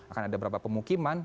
akan ada berapa pemukiman